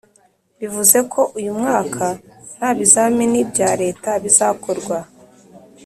, bivuze ko uyu mwaka nta bizamini bya leta bizakorwa.